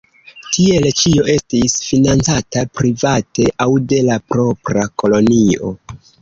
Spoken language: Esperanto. Tiele ĉio estis financata private aŭ de la propra kolonio.